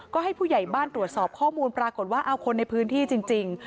ก็ให้ผู้ใหญ่บ้านตรวจสอบข้อมูลปรากฏว่าเอาคนในพื้นที่จริง